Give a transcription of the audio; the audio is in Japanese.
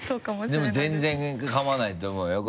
でも全然構わないと思うよ。